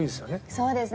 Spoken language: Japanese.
そうですね。